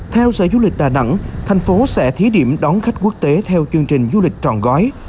theo sở du lịch đà nẵng thành phố sẽ thí điểm đón khách quốc tế theo chương trình du lịch trọn gói